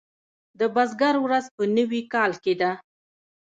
د بزګر ورځ په نوي کال کې ده.